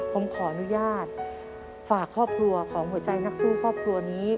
ผมขออนุญาตฝากครอบครัวของหัวใจนักสู้ครอบครัวนี้